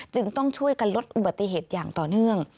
ต้องช่วยกันลดอุบัติเหตุอย่างต่อเนื่อง